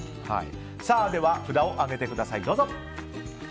では札を上げてください。